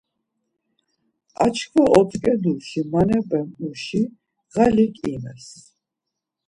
Ar çkva otzǩeduis manebe muşi ğalik imes.